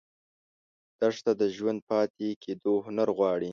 دښته د ژوندي پاتې کېدو هنر غواړي.